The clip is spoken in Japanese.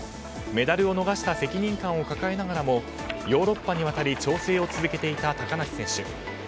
メダルを逃した責任感を抱えながらもヨーロッパに渡り調整を続けていた高梨選手。